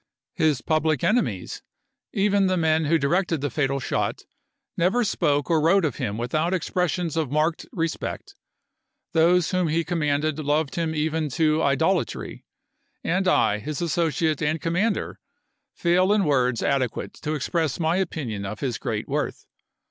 His public enemies, even the men who directed the fatal shot, never spoke or wrote of him without expressions of marked re spect. Those whom he commanded loved him even to idolatry; and I, his associate and commander, fail in words adequate to express my opinion of his n>id.,P.i36 great worth."